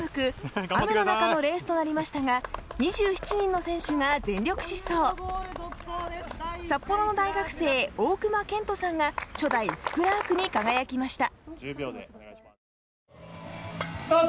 今朝の札幌は気温１２度と肌寒く雨の中のレースとなりましたが２７人の選手が全力疾走札幌の大学生大熊健斗さんが初代グランプリに輝きました